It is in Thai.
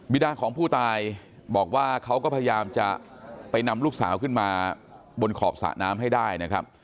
ดาของผู้ตายบอกว่าเขาก็พยายามจะไปนำลูกสาวขึ้นมาบนขอบสระน้ำให้ได้นะครับ